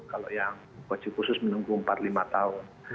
kalau yang wajib khusus menunggu empat lima tahun